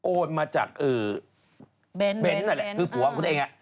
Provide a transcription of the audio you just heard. โอนมาจากเบนซ์คือผัวของตัวเอง